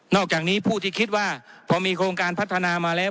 อกจากนี้ผู้ที่คิดว่าพอมีโครงการพัฒนามาแล้ว